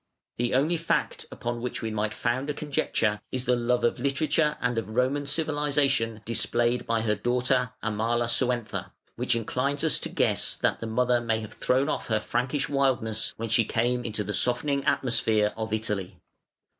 The only fact upon which we might found a conjecture is the love of literature and of Roman civilisation displayed by her daughter, Amalasuentha, which inclines us to guess that the mother may have thrown off her Frankish wildness when she came into the softening atmosphere of Italy.